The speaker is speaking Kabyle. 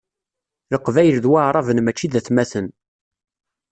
Leqbayel d waɛraben mačči d atmaten.